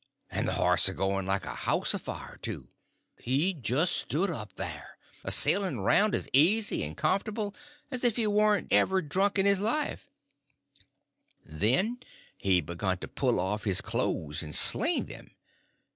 and the horse a going like a house afire too. He just stood up there, a sailing around as easy and comfortable as if he warn't ever drunk in his life—and then he begun to pull off his clothes and sling them.